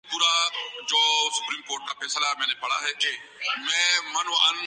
خواتین کرکٹرز کا fitness test yo yo میں تمام کھلاڑی پاس